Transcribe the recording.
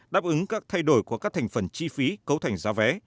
đáp ứng các thay đổi của các thành phần chi phí cấu thành giá vé